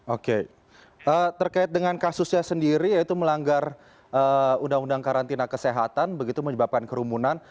oke terkait dengan kasusnya sendiri yaitu melanggar undang undang karantina kesehatan begitu menyebabkan kerumunan